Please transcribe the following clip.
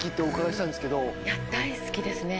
大好きですね。